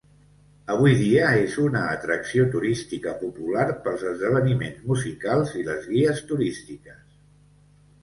Avui dia és una atracció turística popular pels esdeveniments musicals i les guies turístiques.